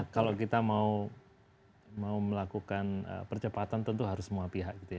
kalau kita mau melakukan percepatan tentu harus muafian